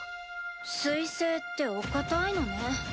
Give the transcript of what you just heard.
水星ってお固いのね。